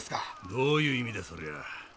どういう意味だそりゃ。